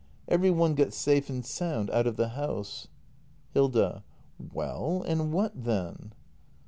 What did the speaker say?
Every one got safe and sound out of the house Hilda. Well, and what then